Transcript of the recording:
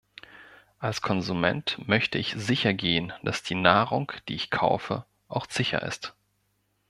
Als Konsument möchte ich sichergehen, dass die Nahrung, die ich kaufe, auch sicher ist.